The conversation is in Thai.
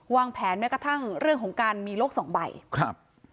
แผนแม้กระทั่งเรื่องของการมีโรคสองใบครับ